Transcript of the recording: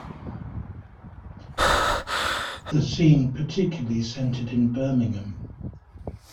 The scene particularly centered in Birmingham.